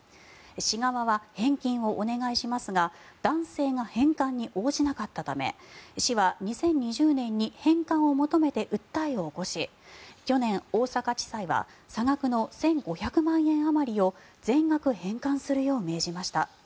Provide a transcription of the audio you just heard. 市側は返金をお願いしますが男性が返還に応じなかったため市は２０２０年に返還を求めて訴えを起こし去年、大阪地裁は差額の１５００円あまりを全額返還するよう命じました。